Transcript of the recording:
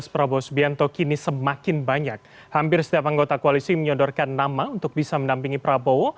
selamat malam mas santa apa kabar